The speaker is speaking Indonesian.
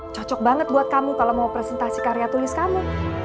cocok banget buat kamu kalau mau presentasi karya tulis kamu